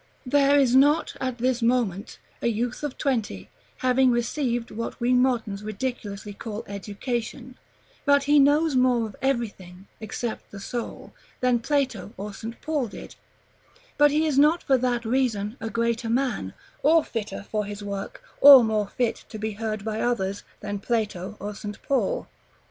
There is not at this moment a youth of twenty, having received what we moderns ridiculously call education, but he knows more of everything, except the soul, than Plato or St. Paul did; but he is not for that reason a greater man, or fitter for his work, or more fit to be heard by others, than Plato or St. Paul.